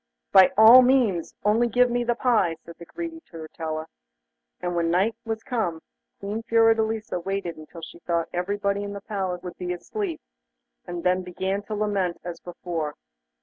'By all means, only give me the pie,' said the greedy Turritella. And when night was come, Queen Fiordelisa waited until she thought everybody in the palace would be asleep, and then began to lament as before.